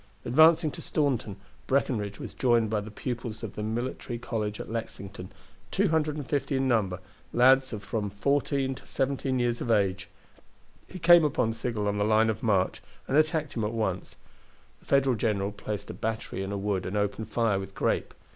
Advancing to Staunton, Breckenridge was joined by the pupils of the military college at Lexington, 250 in number, lads of from 14 to 17 years of age. He came upon Sigel on the line of march, and attacked him at once. The Federal general placed a battery in a wood and opened fire with grape.